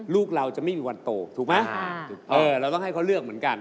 ลูกเราจะไม่มีวันโตถูกไหมเราต้องให้เขาเลือกเหมือนกัน